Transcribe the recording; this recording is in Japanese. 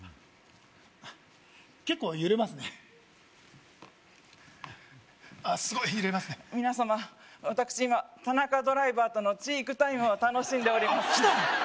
結構揺れますねすごい揺れますね皆様私今田中ドライバーとのチークタイムを楽しんでおります来た！